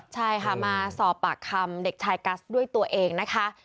ใช่ค่ะมาสอบปากคำเด็กชายกัสด้วยตัวเองนะคะ